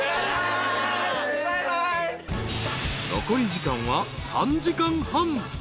［残り時間は３時間半］